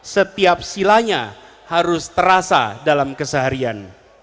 setiap silanya harus terasa dalam keseharian